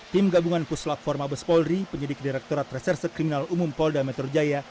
tim gabungan puslat forma bespolri penyidik direkturat reserse kriminal umum polda metro jaya